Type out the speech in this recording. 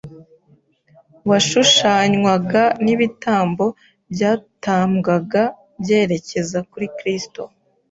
washushanywaga n’ibitambo byatambwaga byerekeza kuri Kristo.